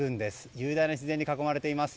雄大な自然に囲まれています。